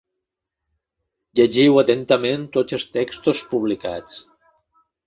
Llegiu atentament tots els textos publicats.